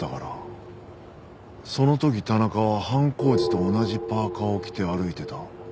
その時田中は犯行時と同じパーカを着て歩いてた。